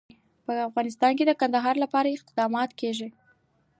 په افغانستان کې د کندهار لپاره اقدامات کېږي.